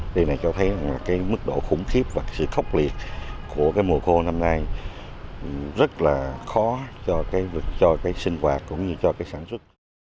đây này cho thấy mức độ khủng khiếp và sự khốc liệt của mùa khô năm nay rất là khó cho sinh hoạt cũng như sản xuất